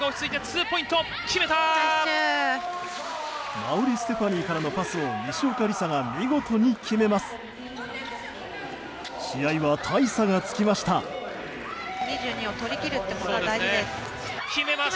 馬瓜ステファニーからのパスを西岡里紗が見事に決めます。